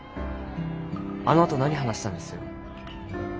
あのあと何話したんです？